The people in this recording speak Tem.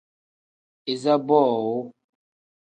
Iza boowu.